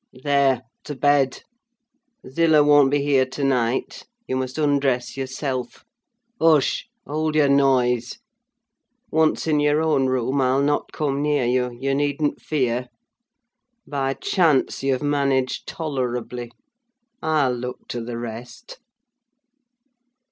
There, to bed! Zillah won't be here to night; you must undress yourself. Hush! hold your noise! Once in your own room, I'll not come near you: you needn't fear. By chance, you've managed tolerably. I'll look to the rest."